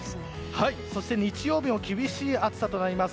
そして、日曜日も厳しい暑さとなります。